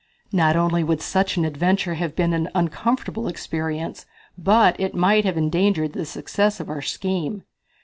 Not only would such an adventure have been an uncomfortable experience, but it might have endangered the success of our scheme.